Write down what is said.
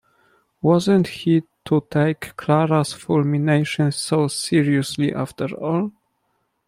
Wasn’t he to take Clara’s fulminations so seriously, after all?